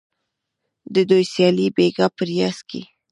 د دوی سیالي بیګا په ریاض کې